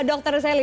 oke pada si dhani